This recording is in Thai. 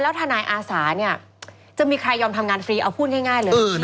แล้วธนายอาสาเนี่ยจะมีใครยอมทำงานฟรีเอาพูดง่ายเหลือดีไหม